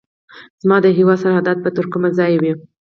زما د هیواد سرحدات به تر کومه ځایه وي.